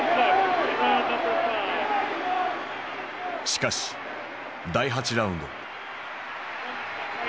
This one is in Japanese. しかし第８ラウンド。